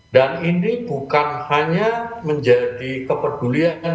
dan ini bukan hanya menjadi keperdulian